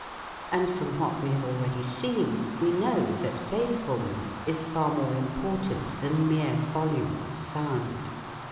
Ami from what we have already seen we know that faithfulness is far more important than mere volume of sound.